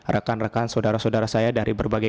rekan rekan saudara saudara saya dari berbagai